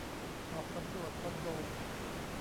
ออกสำรวจคอนโด